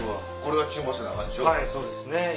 はいそうですね。